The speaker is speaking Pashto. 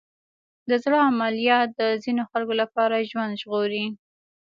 د زړه عملیات د ځینو خلکو لپاره ژوند ژغوري.